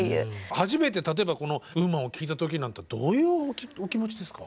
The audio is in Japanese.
初めて例えばこの「Ｗｏｍａｎ」を聴いた時はどういうお気持ちですか？